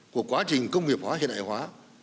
của quá trình công nghiệp hóa hiện đại hóa